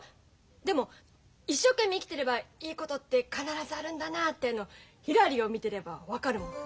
でも一生懸命生きてればいいことって必ずあるんだなってひらりを見てれば分かるもん。